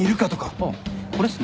あっこれっすね。